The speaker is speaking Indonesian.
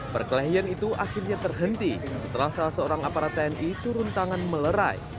perkelahian itu akhirnya terhenti setelah salah seorang aparat tni turun tangan melerai